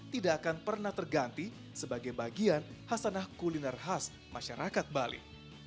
tidak akan pernah terganti sebagai bagian hasanah kuliner khas masyarakat bali